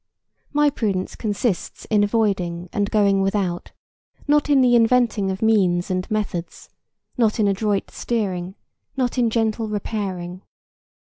My prudence consists in avoiding and going without, not in the inventing of means and methods, not in adroit steering, not in gentle repairing.